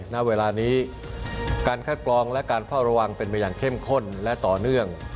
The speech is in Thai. ณเวลานี้การคัดกรองและการเฝ้าระวังเป็นไปอย่างเข้มข้นและต่อเนื่อง